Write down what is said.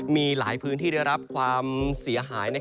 มีหลายพื้นที่ได้รับความเสียหาย